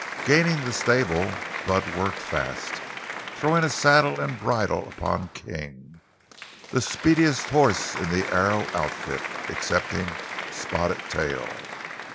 Gaining the stable, Bud worked fast; throwing a saddle and bridle upon King, the speediest horse in the Arrow outfit, excepting Spotted Tail.